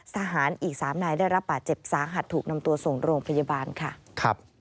ทหารอีก๓นายได้รับบาดเจ็บสาหัสถูกนำตัวส่งโรงพยาบาลค่ะ